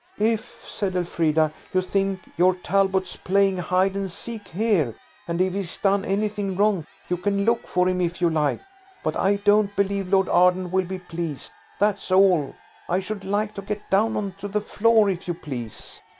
"If," said Elfrida, "you think your Talbot's playing hide and seek here, and if he's done anything wrong, you can look for him if you like. But I don't believe Lord Arden will be pleased. That's all. I should like to get down on to the floor, if you please!"